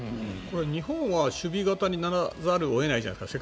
日本は守備型にならざるを得ないじゃないですか。